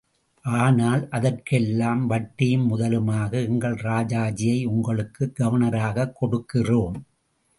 ஆனால் அதெற்கெல்லாம் வட்டியும் முதலுமாக எங்கள் ராஜாஜியை உங்களுக்குக் கவர்னராகக் கொடுக்கிறோம்.